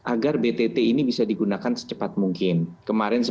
agar btt ini bisa digunakan secepat mungkin